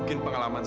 ini takkan muncul